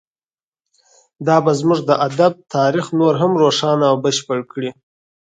دا به زموږ د ادب تاریخ نور هم روښانه او بشپړ کړي